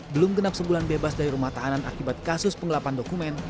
belum genap sebulan bebas dari rumah tahanan akibat kasus pengelapan dokumen